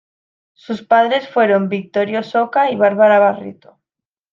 Sus padres fueron Victorio Soca y Bárbara Barreto.